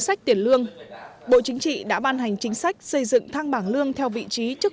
sách tiền lương bộ chính trị đã ban hành chính sách xây dựng thang bảng lương theo vị trí chức